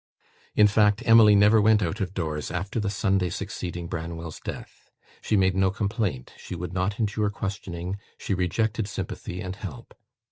In fact, Emily never went out of doors after the Sunday succeeding Branwell's death. She made no complaint; she would not endure questioning; she rejected sympathy and help.